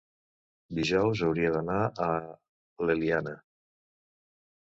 Dijous hauria d'anar a l'Eliana.